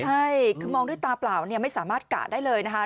ใช่คือมองด้วยตาเปล่าเนี่ยไม่สามารถกะได้เลยนะคะ